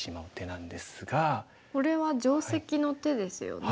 これは定石の手ですよね。